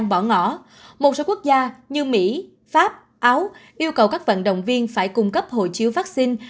bỏ ngỏ một số quốc gia như mỹ pháp áo yêu cầu các vận động viên phải cung cấp hộ chiếu vaccine